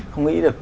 không nghĩ được